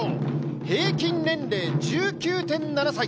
平均年齢１９．７歳。